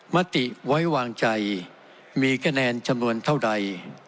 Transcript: มติไว้วางใจมีคะแนนจำนวนเท่าใด